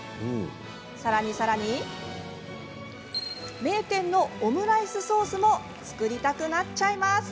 さらに、さらに名店のオムライスソースも作りたくなっちゃいます。